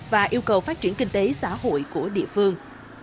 và yêu cầu phát triển kinh tế xã hội của địa phương